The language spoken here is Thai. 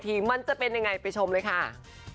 มันจะเป็นยังไงไปชมเลยค่ะ